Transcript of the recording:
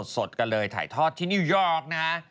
สดกันเลยถ่ายทอดที่นิวยอร์กนะฮะ